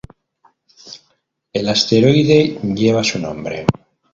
El Asteroide lleva su nombre.